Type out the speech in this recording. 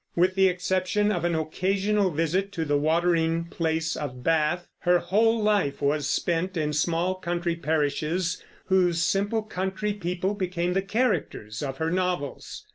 With the exception of an occasional visit to the watering place of Bath, her whole life was spent in small country parishes, whose simple country people became the characters of her novels.